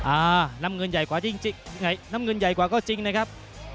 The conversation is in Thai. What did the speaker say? อ่าน้ำเงินใหญ่กว่าก็จริงนะครับ